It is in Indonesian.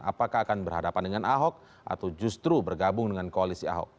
apakah akan berhadapan dengan ahok atau justru bergabung dengan koalisi ahok